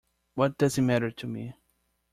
What does it matter to me?